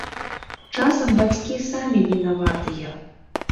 Часам бацькі самі вінаватыя.